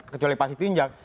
kecuali pasit tinjak